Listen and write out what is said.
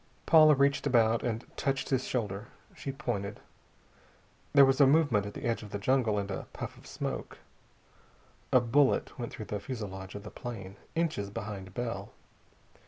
Paula reached about and touched his shoulder. She pointed. There was a movement at the edge of the jungle and a puff of smoke. A bullet went through the fusilage of the plane, inches behind Bell.